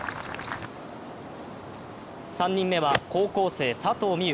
３人目は高校生・佐藤心結。